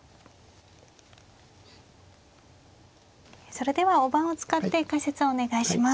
それでは大盤を使って解説をお願いします。